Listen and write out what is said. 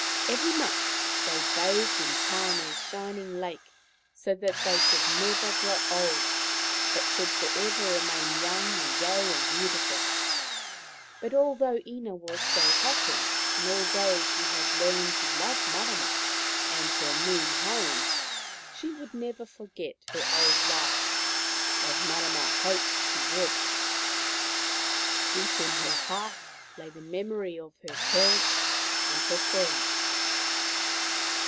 Every month they bathed in Tane's shining lake, so that they should never grow old, but should for ever remain young and gay and beautiful. But although Ina was so happy, and although she had learned to love Marama and her moon home, she never forgot her old life, as Marama hoped she would. Deep in her heart lay the memory of her parents and her friend.